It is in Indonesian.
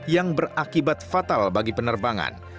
yang berakibat fatal bagi penerbangan